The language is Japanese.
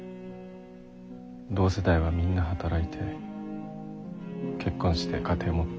同世代はみんな働いて結婚して家庭持って。